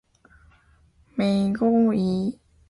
每行一条语句